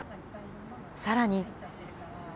さらに。